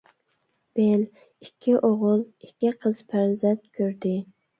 بېل ئىككى ئوغۇل، ئىككى قىز پەرزەنت كۆردى.